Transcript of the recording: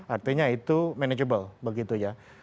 artinya itu manageable begitu ya